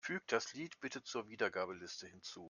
Füg das Lied bitte zur Wiedergabeliste hinzu.